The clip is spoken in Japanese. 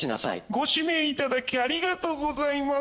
ご指名頂きありがとうございます。